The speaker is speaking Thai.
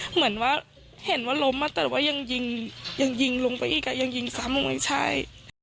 เหมือนว่าเห็นว่าล้มแต่ว่ายังยิงยังยิงลงไปอีกอ่ะยังยิงซ้ำไม่ใช่